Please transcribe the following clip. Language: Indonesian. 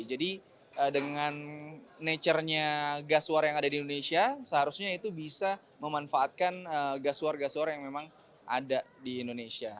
jadi dengan nature nya gas suar yang ada di indonesia seharusnya itu bisa memanfaatkan gas suar gas suar yang memang ada di indonesia